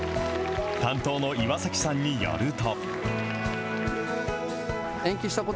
担当の岩崎さんによると。